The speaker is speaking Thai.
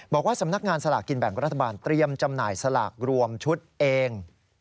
บอกว่าสำนักงานสลากกินแบ่งรัฐบาลเตรียมจำหน่ายสลากรวมชุดเอง